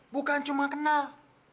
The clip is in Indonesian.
bukan cuma kenal